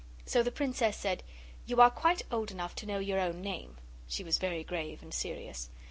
So the Princess said, 'You are quite old enough to know your own name.' She was very grave and serious.